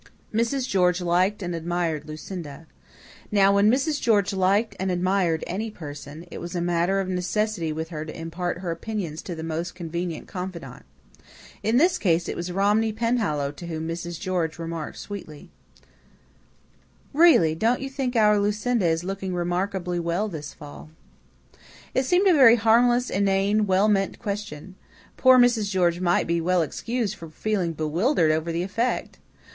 Mrs. George liked and admired Lucinda. Now, when Mrs. George liked and admired any person, it was a matter of necessity with her to impart her opinions to the most convenient confidant. In this case it was Romney Penhallow to whom Mrs. George remarked sweetly: "Really, don't you think our Lucinda is looking remarkably well this fall?" It seemed a very harmless, inane, well meant question. Poor Mrs. George might well be excused for feeling bewildered over the effect.